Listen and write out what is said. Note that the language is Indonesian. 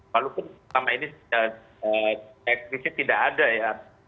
walaupun selama ini eksplisit tidak ada ya